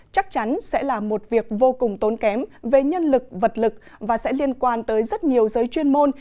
chắc chắn sẽ là một việc vô cùng tốn kém về nhân lực vật lực và sẽ liên quan tới rất nhiều giới chuyên môn